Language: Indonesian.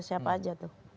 siapa aja tuh